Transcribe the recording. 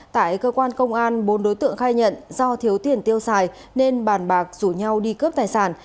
tại cơ quan công an bốn đối tượng khai nhận do thiếu tiền tiêu xài nên bàn bạc rủ nhau đi cướp tài sản